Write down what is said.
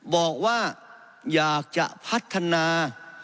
บอกว่าอยากจะพัฒนา